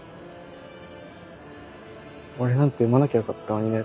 「俺なんて産まなきゃよかったのにね」